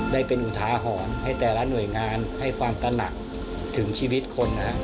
ได้เป็นอุทาหรณ์ให้แต่ละหน่วยงานให้ความตระหนักถึงชีวิตคนนะครับ